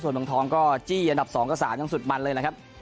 ส่วนเบื้องทองก็จี้๒๓อย่างสุดมันเลยนะครับ